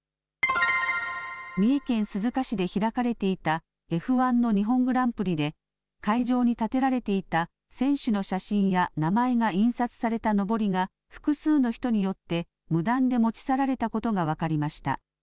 三重県鈴鹿市で開かれていたＦ１の日本グランプリで、会場に立てられていた選手の写真や名前が印刷されたのぼりが、複数の人によって無断で持ち去られたことが分かりました。